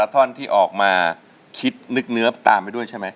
ท่อนที่ออกมาคิดนึกเนื้อตามไปด้วยใช่ไหม